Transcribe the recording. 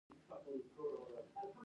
هماغسې سينګارونه يې کړي وو.